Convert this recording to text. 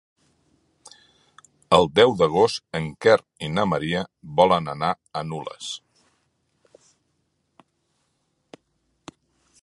El deu d'agost en Quer i na Maria volen anar a Nules.